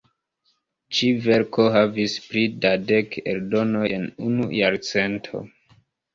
Ĉi-verko havis pli da dek eldonoj en unu jarcento.